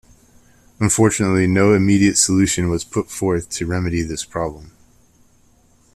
Unfortunately, no immediate solution was put forth to remedy this problem.